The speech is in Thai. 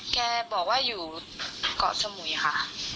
แกบอกว่าอยู่เกาะสมุยค่ะ